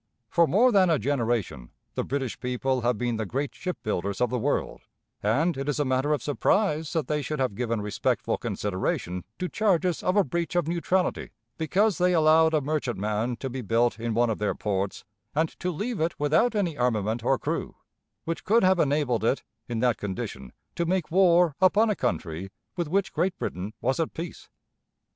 For more than a generation the British people have been the great ship builders of the world, and it is a matter of surprise that they should have given respectful consideration to charges of a breach of neutrality because they allowed a merchantman to be built in one of their ports and to leave it without any armament or crew, which could have enabled it, in that condition, to make war upon a country with which Great Britain was at peace.